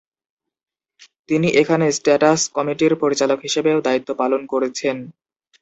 তিনি এখানে স্ট্যাটাস কমিটির পরিচালক হিসেবেও দায়িত্ব পালন করেছেন।